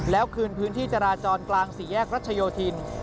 แล้วคืนพื้นที่จราจรกลางสี่แยกรัชโยธิน